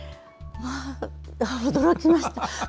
驚きました。